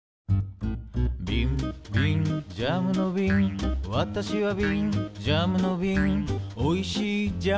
「びんびんジャムのびんわたしはびん」「ジャムのびんおいしいジャムをいれていた」